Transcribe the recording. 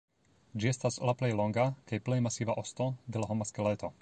Ĝi estas la plej longa kaj plej masiva osto de la homa skeleto.